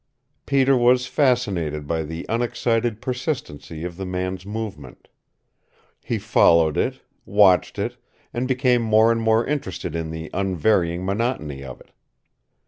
Peter was fascinated by the unexcited persistency of the man's movement. He followed it, watched it, and became more and more interested in the unvarying monotony of it.